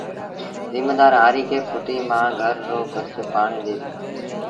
زميݩدآر هآريٚ کي ڦُٽيٚ مآݩ گھر رو کرچ پآڻيٚ ڏي دو